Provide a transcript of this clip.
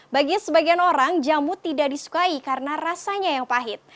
bagi sebagian orang jamu tidak disukai karena rasanya yang pahit